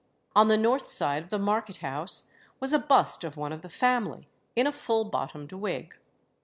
On the north side of the market house was a bust of one of the family in a full bottomed wig.